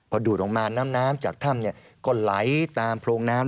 พอดูดออกมาน้ำจากถ้ำก็ไหลตามโพรงน้ำ